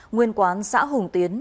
nguyên quán xã hùng tiến